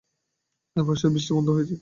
এই বর্ষার বৃষ্টি বন্ধ হয়ে আছে।